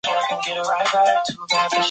发售公司是波丽佳音。